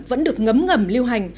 vẫn được ngấm ngầm lưu hành